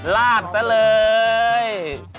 ลาดซะเลย